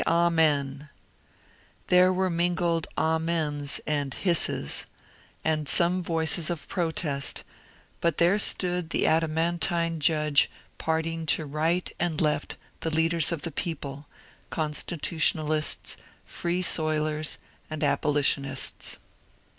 Amen I " There were mingled ^^ Amens" and hisses, and some voices of protest; but there stood the adamantine judge parting to right and left the leaders of the people, constitutionalists, f ree soilers, and abolitionists.